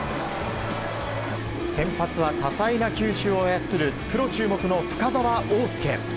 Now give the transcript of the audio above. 先発は多彩な球種を操るプロ注目の深沢鳳介。